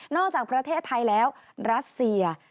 จากประเทศไทยแล้วรัสเซีย